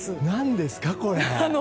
何ですか、これ？